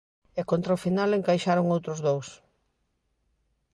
E contra o final encaixaron outros dous.